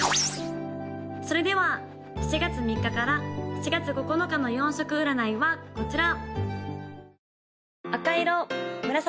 ・それでは７月３日から７月９日の４色占いはこちら！